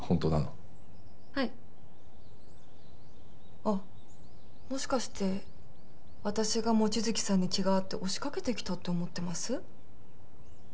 あっもしかして私が望月さんに気があって押しかけてきたって思ってます？